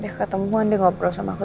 dia ketemuan dia ngobrol sama aku